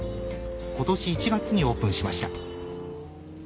今年１月にオープンしました。